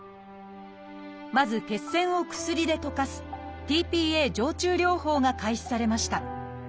まず血栓を薬で溶かすｔ−ＰＡ静注療法が開始されました。